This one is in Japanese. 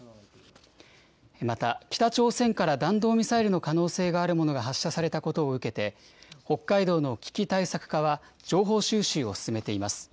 また、北朝鮮から弾道ミサイルの可能性があるものが発射されたことを受けて、北海道の危機対策課は、情報収集を進めています。